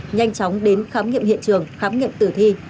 nhanh chóng đến khám nghiệm hiện trường khám nghiệm tử thi